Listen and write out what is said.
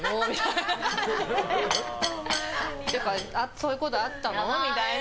そういうことあったの？みたいな。